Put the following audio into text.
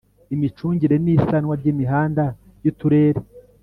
Imicungire n isanwa ry imihanda y uturere